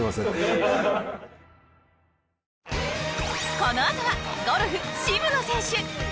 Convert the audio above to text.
このあとはゴルフ渋野選手。